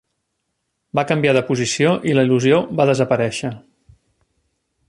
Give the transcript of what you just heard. Va canviar de posició i la il·lusió va desaparèixer.